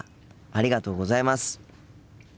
ありがとうございます。